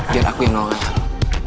biar aku yang menolong kamu